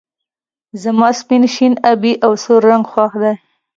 زما شين سپين آبی او سور رنګ خوښ دي